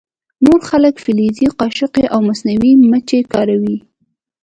نور خلک فلزي قاشقې او مصنوعي مچۍ کاروي